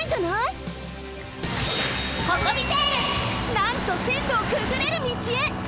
なんとせんろをくぐれる道へ！